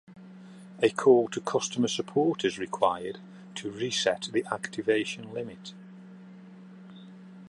A call to customer support is required to reset the activation limit.